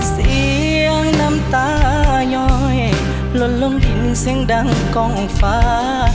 เสียงน้ำตาย้อยหล่นหลงหินเสียงดังกองฟ้า